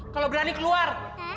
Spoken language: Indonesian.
kalau berani keluar